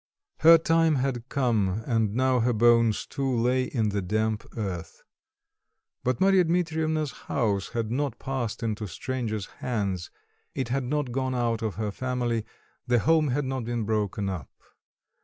Her time had come, and now her bones too lay in the damp earth. But Marya Dmitreivna's house had not passed into stranger's hands, it had not gone out of her family, the home had not been broken upon.